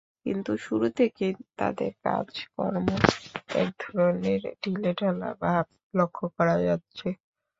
কিন্তু শুরু থেকেই তাদের কাজকর্মে একধরনের ঢিলেঢালা ভাব লক্ষ করা যাচ্ছে।